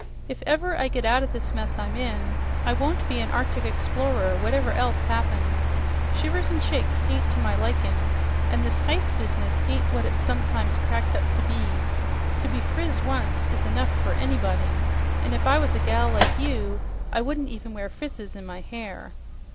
"If ever I get out o' this mess I'm in, I won't be an Arctic explorer, whatever else happens. Shivers an' shakes ain't to my likin', an' this ice business ain't what it's sometimes cracked up to be. To be friz once is enough fer anybody, an' if I was a gal like you, I wouldn't even wear frizzes on my hair."